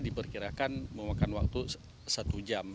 diperkirakan memakan waktu satu jam